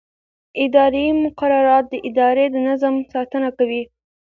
اداري مقررات د ادارې د نظم ساتنه کوي.